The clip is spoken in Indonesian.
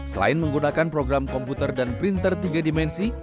selain menggunakan program komputer dan printer tiga dimensi